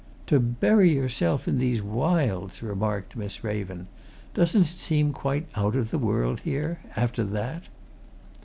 "To bury yourself in these wilds!" remarked Miss Raven. "Doesn't it seem quite out of the world here after that?"